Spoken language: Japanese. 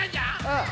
うん。